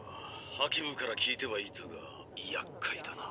ハキムから聞いてはいたがやっかいだな。